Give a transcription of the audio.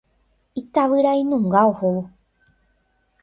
Itavyrainunga ohóvo.